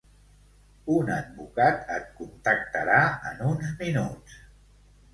Un advocat et contactarà en uns minuts.